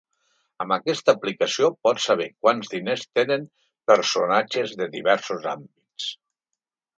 Amb aquesta aplicació pots saber quants diners tenen personatges de diversos àmbits.